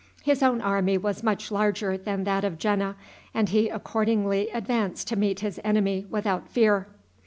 His own army was much larger than that of Jena, and he accordingly advanced to meet his enemy without fear.